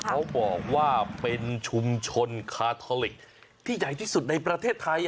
เขาบอกว่าเป็นชุมชนคาทอลิกที่ใหญ่ที่สุดในประเทศไทย